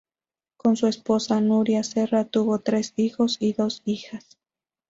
Con su esposa Nuria Serra tuvo tres hijos y dos hijas.